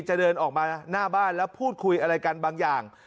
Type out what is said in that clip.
จะเดินออกมาหน้าบ้านแล้วพูดคุยอะไรกันบางอย่าง